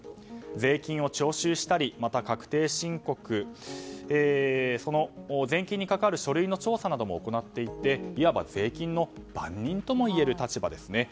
税金を徴収したり確定申告などその税金に関わる書類の調査なども行っていていわば税金の番人ともいえる立場ですね。